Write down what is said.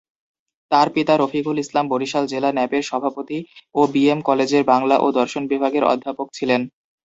তার পিতা রফিকুল ইসলাম বরিশাল জেলা ন্যাপের সভাপতি ও বিএম কলেজের বাংলা ও দর্শন বিভাগের অধ্যাপক ছিলেন।